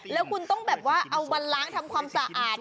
แล้วคุณต้องแบบว่าเอามาล้างทำความสะอาด